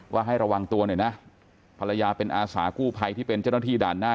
ให้ระวังตัวหน่อยนะภรรยาเป็นอาสากู้ภัยที่เป็นเจ้าหน้าที่ด่านหน้า